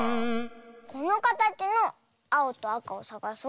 このかたちのあおとあかをさがそう。